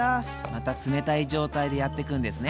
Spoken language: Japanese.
また冷たい状態でやってくんですね。